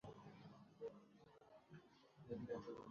তোকে গাড়িতে নিয়ে আসেনি?